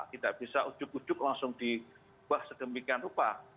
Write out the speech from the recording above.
tidak bisa ujug ujug langsung dibuah segembingkan rupa